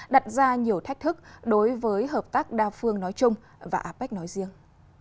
đặt ra nhiều thách thức đối với hợp tác đa phương nói chung và apec nói riêng